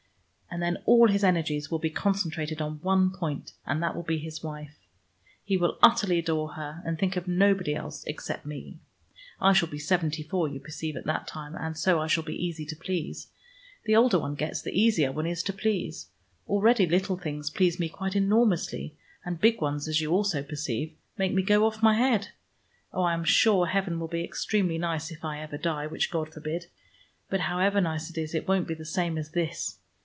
And then all his energies will be concentrated on one point, and that will be his wife. He will utterly adore her, and think of nobody else except me. I shall be seventy four, you perceive, at that time, and so I shall be easy to please. The older one gets the easier one is to please. Already little things please me quite enormously, and big ones, as you also perceive, make me go off my head. Oh, I am sure heaven will be extremely nice, if I ever die, which God forbid; but however nice it is, it won't be the same as this.